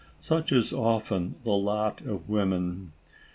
Such is often the lot of woman.